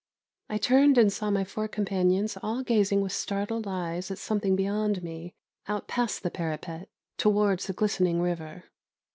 I turned and saw my four companions all gazing with startled eyes at something beyond me, out past the parapet, towards the glistening river.